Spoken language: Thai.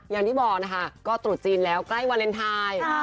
อย่างที่บอกนะคะก็ตรุษจีนแล้วใกล้วาเลนไทย